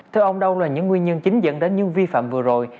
thưa ông đâu là những nguyên nhân chính dẫn đến những vi phạm vừa rồi